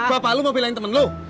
bapak lo mau bilangin temen lo